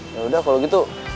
yaudah kalau gitu